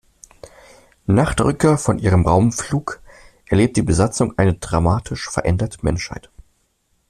Nach der Rückkehr von ihrem Raumflug erlebt die Besatzung eine dramatisch veränderte Menschheit.